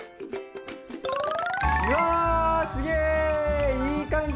うわすげいい感じ。